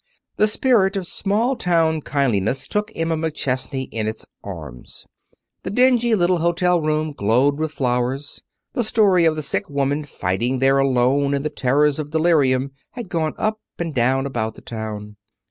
The spirit of small town kindliness took Emma McChesney in its arms. The dingy little hotel room glowed with flowers. The story of the sick woman fighting there alone in the terrors of delirium had gone up and down about the town.